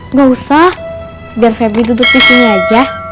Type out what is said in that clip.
nggak usah biar febri duduk di sini aja